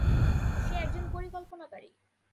সে একজন পরিকল্পনাকারী।